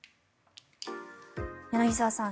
柳澤さん